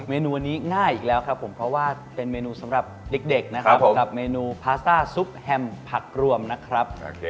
เมนูวันนี้ง่ายอีกแล้วครับผมเพราะว่าเป็นเมนูสำหรับเด็กนะครับกับเมนูพาสต้าซุปแฮมผักรวมนะครับ